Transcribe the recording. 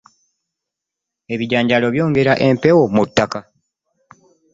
Ebijanjaalo byongera empewo mu ttaka.